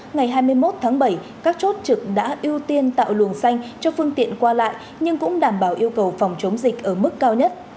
ngày hai mươi một tháng bảy các chốt trực đã ưu tiên tạo luồng xanh cho phương tiện qua lại nhưng cũng đảm bảo yêu cầu phòng chống dịch ở mức cao nhất